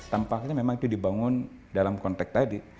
tampaknya memang itu dibangun dalam konteks tadi